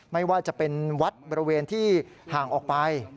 ไม่ว่าจะเป็นวัดบริเวณที่ห่างออกไป